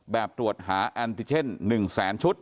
แบบตรวจหาแอนติเช่น๑๐๐๐๐๐ชุด